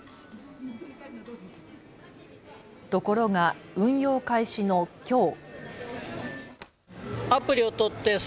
ところが運用開始のきょう。